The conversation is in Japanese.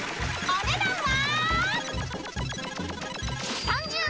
［お値段は？］